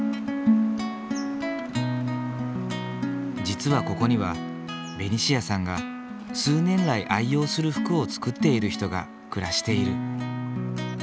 実はここにはベニシアさんが数年来愛用する服を作っている人が暮らしている。